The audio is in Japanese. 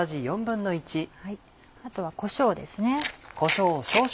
あとはこしょうですね。